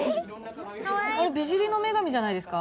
あれ「美尻の女神」じゃないですか？